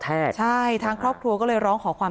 พระเจ้าอาวาสกันหน่อยนะครับ